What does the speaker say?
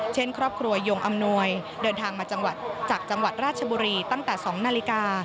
เช่นครอบครัวยงอำนวยเดินทางมาจากจังหวัดราชบุรีตั้งแต่๒นาฬิกา